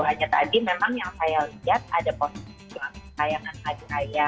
hanya tadi memang yang saya lihat ada posisi kelayakan aja kaya